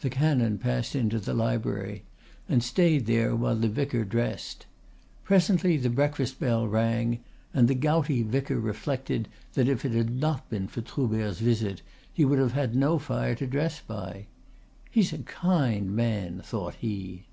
The canon passed into the library and stayed there while the vicar dressed. Presently the breakfast bell rang, and the gouty vicar reflected that if it had not been for Troubert's visit he would have had no fire to dress by. "He's a kind man," thought he.